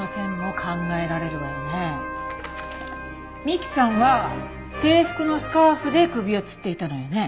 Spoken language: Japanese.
美希さんは制服のスカーフで首をつっていたのよね。